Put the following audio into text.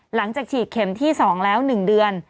หลังจากฉีดเข็มที่๒แล้ว๑เดือน